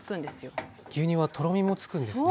牛乳はとろみもつくんですね。